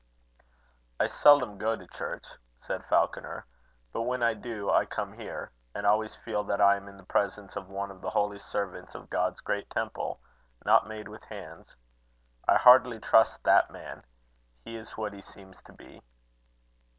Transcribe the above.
"I seldom go to church," said Falconer; "but when I do, I come here: and always feel that I am in the presence of one of the holy servants of God's great temple not made with hands. I heartily trust that man. He is what he seems to be."